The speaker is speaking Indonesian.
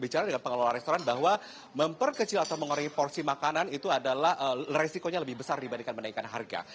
bicara dengan pengelola restoran bahwa memperkecil atau mengurangi porsi makanan itu adalah resikonya lebih besar dibandingkan menaikkan harga